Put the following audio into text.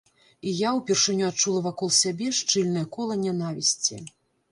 І я ўпершыню адчула вакол сябе шчыльнае кола нянавісці.